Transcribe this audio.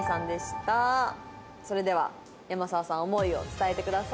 それでは山澤さん思いを伝えてください。